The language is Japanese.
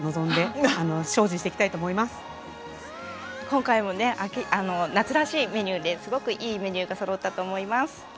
今回もね夏らしいメニューですごくいいメニューがそろったと思います。